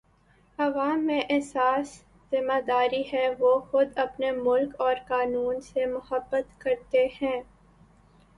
عوام میں احساس ذمہ داری ہے وہ خود اپنے ملک اور قانون سے محبت کرتے ہیں